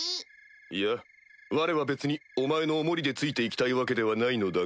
いやわれは別にお前のお守りでついて行きたいわけではないのだが？